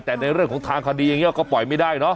แต่ในเรื่องของทางคดีอย่างนี้ก็ปล่อยไม่ได้เนาะ